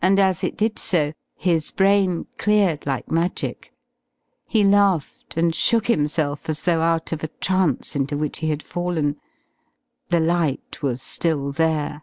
And as it did so, his brain cleared like magic. He laughed and shook himself as though out of a trance into which he had fallen. The light was still there.